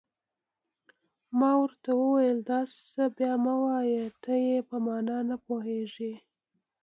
ما ورته وویل: داسې څه بیا مه وایه، ته یې په معنا نه پوهېږې.